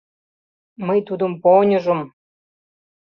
Мый тудым поньыжым...